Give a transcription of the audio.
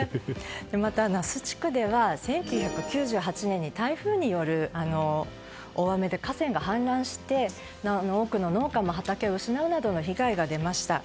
また、那須地区では１９９８年に台風による大雨で河川が氾濫して多くの農家も畑を失うなどの被害が出ました。